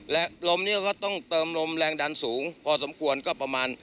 และลมนี้ก็ต้องเติมลมแรงดันสูงพอสมควรก็ประมาณ